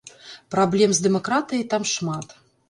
Праблем з дэмакратыяй там шмат.